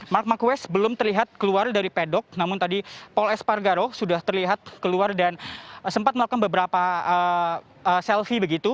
mark marquez belum terlihat keluar dari pedok namun tadi polres pargaro sudah terlihat keluar dan sempat melakukan beberapa selfie begitu